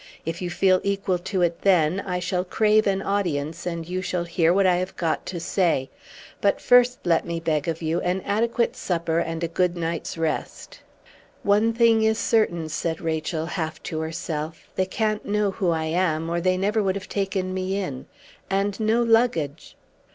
If you feel equal to it then, I shall crave an audience, and you shall hear what I have got to say. But first, let me beg of you, an adequate supper and a good night's rest!" "One thing is certain," said Rachel, half to herself: "they can't know who I am, or they never would have taken me in. And no luggage!"